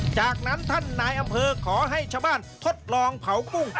จากนั้นท่านนายอำเภอขอให้ชาวบ้านทดลองเผากุ้ง